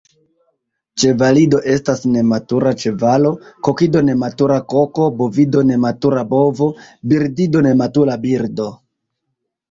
Ĉevalido estas nematura ĉevalo, kokido nematura koko, bovido nematura bovo, birdido nematura birdo.